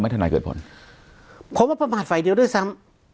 ไว้ธนัยเกิดผลเพราะว่าประมาทไฟลิฟต์เดียวได้ซ้ำ